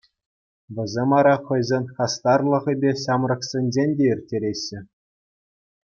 Вӗсем ара хӑйсен хастарлӑхӗпе ҫамрӑксенчен те ирттереҫҫӗ.